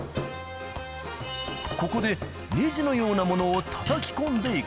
ここで、ねじのようなものをたたき込んでいく。